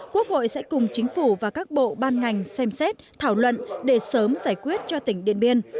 quốc hội sẽ cùng chính phủ và các bộ ban ngành xem xét thảo luận để sớm giải quyết cho tỉnh điện biên